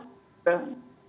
itu kan ngaruh